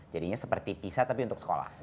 jadinya seperti pisa tapi untuk sekolah